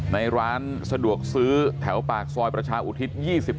ในร้านสะดวกซื้อแถวปากซอยประชาอุทิศ๒๔